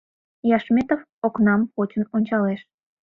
Яшметов окнам почын ончалеш.